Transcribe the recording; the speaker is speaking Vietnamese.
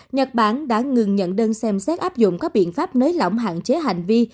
nhật bản đã ngừng nhận đơn xem xét áp dụng các biện pháp nới lỏng hạn chế hành vi